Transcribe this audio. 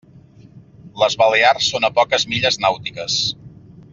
Les Balears són a poques milles nàutiques.